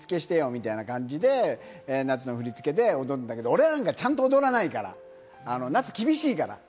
みたいな感じで、夏の振付で踊るんだけれども、俺はちゃんと踊らないから、夏、厳しいから。